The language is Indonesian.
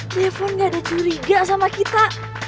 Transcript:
telepon gak ada curiga sama kita